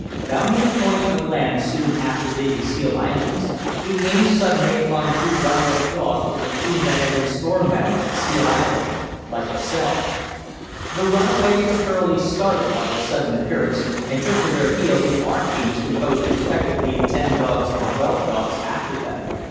Rounding a point of land soon after leaving Seal Islands, we came suddenly upon two runaway dogs from a team that had been stormbound at Seal Islands like ourselves. The runaways were thoroughly startled by our sudden appearance, and took to their heels, with our teams, composed respectively of ten dogs and twelve dogs, after them.